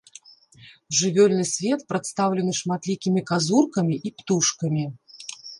Жывёльны свет прадстаўлены шматлікімі казуркамі і птушкамі.